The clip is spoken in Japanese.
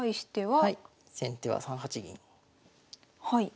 はい。